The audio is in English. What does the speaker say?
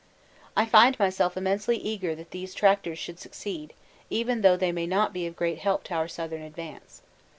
I find myself immensely eager that these tractors should succeed, even though they may not be of great help to our southern advance.